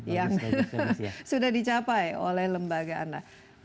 yang sudah dicapai oleh lembaga anda